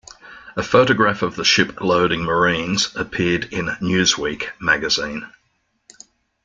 A photograph of the ship loading Marines appeared in "Newsweek" magazine.